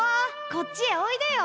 こっちへおいでよ。